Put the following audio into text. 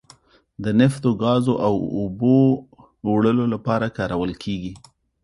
د نفتو، ګازو او اوبو وړلو لپاره کارول کیږي.